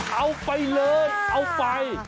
เอาไปเลยเอาไป